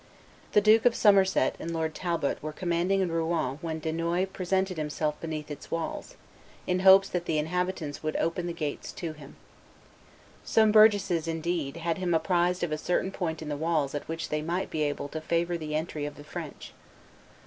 The Duke of Somerset and Lord Talbot were commanding in Rouen when Dunois presented himself beneath its walls, in hopes that the inhabitants would open the gates to him. Some burgesses, indeed, had him apprised of a certain point in the walls at which they might be able to favor the entry of the French.